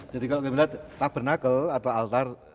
jadi kalau kita lihat tabernakel atau altar